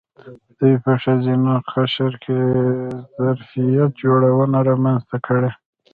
دوی په ښځینه قشر کې ظرفیت جوړونه رامنځته کړې.